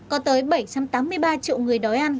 có tới bảy trăm tám mươi ba triệu người đói ăn